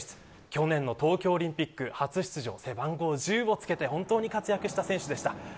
去年の東京オリンピック初出場背番号１０をつけて本当に活躍した選手でした。